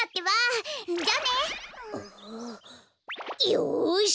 よし！